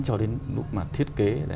cho đến lúc mà thiết kế